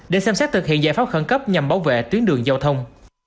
để xem xét thực hiện giải pháp khẩn cấp nhằm bảo vệ tuyến đường giao thông